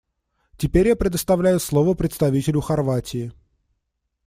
Теперь я предоставляю слово представителю Хорватии.